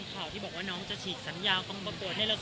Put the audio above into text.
ข้าวที่บอกว่าน้องจะฉีกสัญญาต้องประกวดในละคุณต้องประกวดไหม